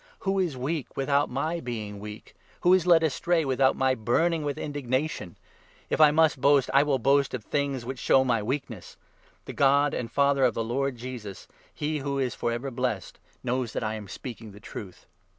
Who is weak without my 29 being weak ? Who is led astray without my burning with indignation ? If I must boast, I will boast of things which 30 show my weakness ! The God and Father of the Lord Jesus — 31 he who is for ever blessed — knows that I am speaking the truth.